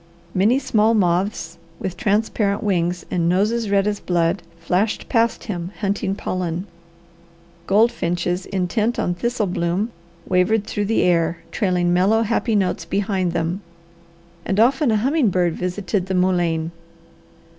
Many small moths, with transparent wings and noses red as blood, flashed past him hunting pollen. Goldfinches, intent on thistle bloom, wavered through the air trailing mellow, happy notes behind them, and often a humming bird visited the mullein.